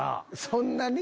そんなに？